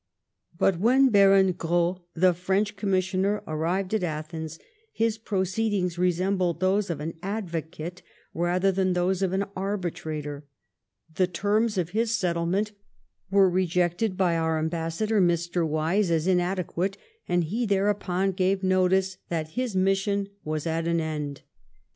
But when Baron Gros, the French Commissioner, arrived at Athens, his proceedings resembled those of an advocate rather than those of an arbitrator; the terms of his settlement were rejected by our ambassador, Mr. Wyse, as inadequate, and he hereupon gave notice that his mission was at an end.